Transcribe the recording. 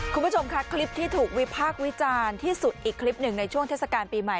คุณผู้ชมค่ะคลิปที่ถูกวิพากษ์วิจารณ์ที่สุดอีกคลิปหนึ่งในช่วงเทศกาลปีใหม่